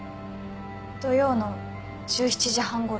土曜の１７時半頃。